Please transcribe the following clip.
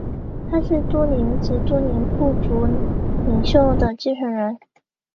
他是都灵及都灵部族领袖的继承人。